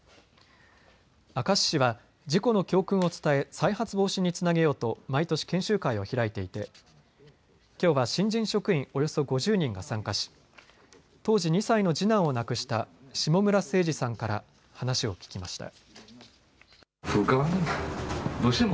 明石市は事故の教訓を伝え再発防止につなげようと毎年、研修会を開いていてきょうは新人職員およそ５０人が参加し当時、２歳の次男を亡くした下村誠治さんから話を聞きました。